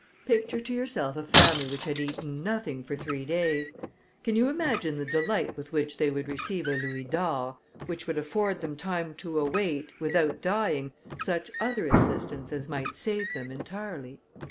Picture to yourself a family which had eaten nothing for three days: can you imagine the delight with which they would receive a louis d'or, which would afford them time to await, without dying, such other assistance as might save them entirely?